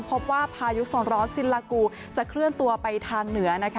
พบว่าพายุโซนร้อนซินลากูจะเคลื่อนตัวไปทางเหนือนะคะ